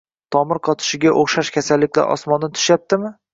tomir qotishiga o'xshash kasalliklar osmondan tushyaptimi?